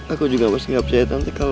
aku juga pasti gak percaya tante kakak